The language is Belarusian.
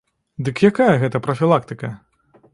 Дык якая гэта прафілактыка?